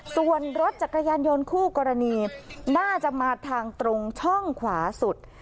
ส่วนรถจักรยานยนต์คู่กรณีน่าจะมาทางตรงช่องขวาสุด